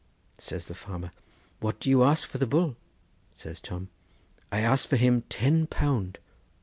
Says the farmer, 'What do you ask for the bull?' Says Tom, 'I ask for him ten pound.